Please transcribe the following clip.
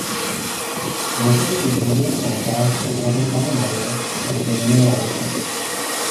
Tvořil jej dřevěný oltář s obrazem Panny Marie a dřevěné lavice.